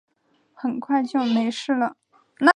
很快就没事了